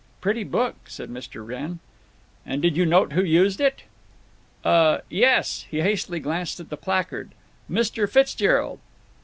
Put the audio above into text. "Pretty book," said Mr. Wrenn. "And did you note who used it?" "Uh—yes." He hastily glanced at the placard. "Mr. Fitzgerald.